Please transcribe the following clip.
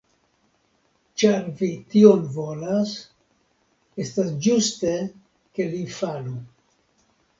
Ĉar vi tion volas, estas ĝuste ke li falu.